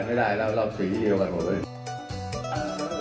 ไม่ได้เราสีเยี้ยวกันหมด